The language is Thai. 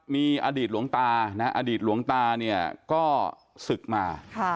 มีอดีตหลวงตานะครับอดีตหลวงตาก็ศึกมา